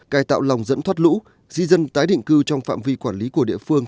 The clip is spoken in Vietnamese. cài tạo lòng dẫn thoát lũ di dân tái định cư trong phạm vi quản lý của địa phương